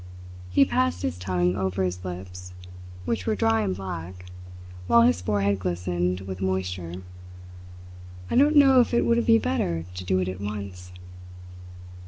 He passed his tongue over his lips, which were dry and black, while his forehead glistened with moisture. "I don't know if it wouldn't be better to do it at once!"